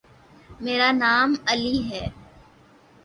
میرا نام علی ہے۔